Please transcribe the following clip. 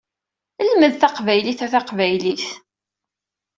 Lmed taqbaylit a taqbaylit!